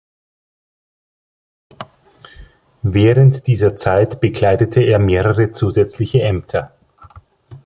Während dieser Zeit bekleidete er mehrere zusätzliche Ämter.